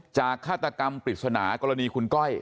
ฆาตกรรมปริศนากรณีคุณก้อย